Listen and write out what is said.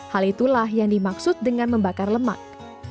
hal itulah yang dimaksud dengan membakar lemak